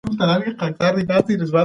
پاڼه نڅېدلی شي خو ماتېدلی نه شي.